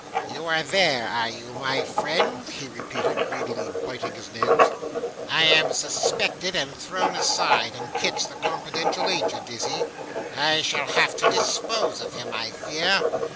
'You are there, are you, my friend?' he repeated, greedily biting his nails. 'I am suspected and thrown aside, and Kit's the confidential agent, is he? I shall have to dispose of him, I fear.